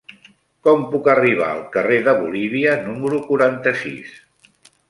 Com puc arribar al carrer de Bolívia número quaranta-sis?